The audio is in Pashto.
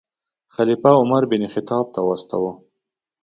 خلیفه عمر بن خطاب ته واستاوه.